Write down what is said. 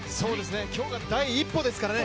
今日が第一歩ですからね。